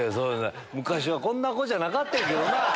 昔はこんな子じゃなかったんやけどな。